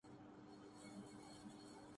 ان کا جمہوریت سے کیا واسطہ۔